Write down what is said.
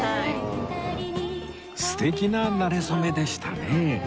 素敵ななれ初めでしたね